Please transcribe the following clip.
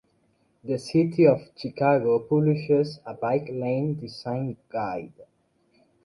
The City of Chicago publishes a Bike Lane Design Guide.